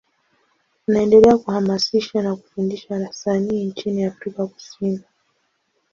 Anaendelea kuhamasisha na kufundisha wasanii nchini Afrika Kusini.